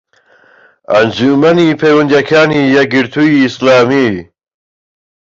ئەنجومەنی پەیوەندییەکانی یەکگرتووی ئیسلامی